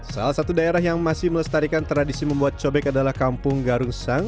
salah satu daerah yang masih melestarikan tradisi membuat cobek adalah kampung garungsang